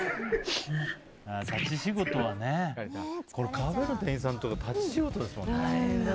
カフェの店員さんとか立ち仕事ですもんね。